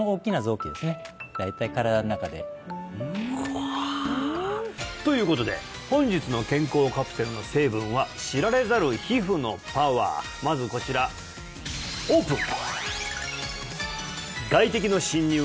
大体身体の中でということで本日の健康カプセルの成分は知られざる皮膚のパワーまずこちらオープン！